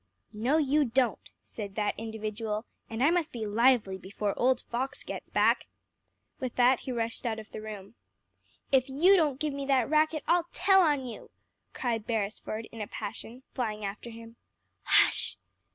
"No, you don't," said that individual; "and I must be lively before old Fox gets back." With that, he rushed out of the room. "If you don't give me that racket, I'll tell on you," cried Beresford in a passion, flying after him. "Hush!"